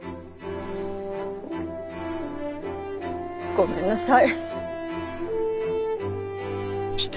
ごめんなさい。